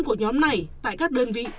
của nhóm này tại các đơn vị